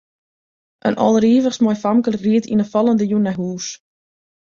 In alderivichst moai famke ried yn 'e fallende jûn nei hûs.